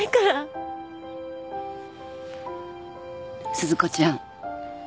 鈴子ちゃん。